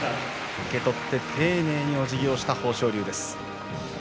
受け取って丁寧におじぎをした豊昇龍です。